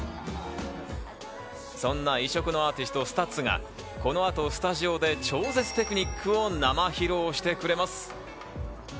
そんな異色のアーティスト、ＳＴＵＴＳがこの後スタジオで超絶テクニックを生披露してくれます。